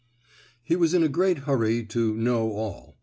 He was in a great hurry to "know all."